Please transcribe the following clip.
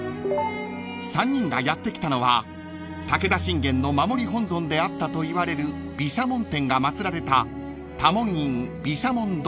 ［３人がやって来たのは武田信玄の守り本尊であったといわれる毘沙門天が祭られた］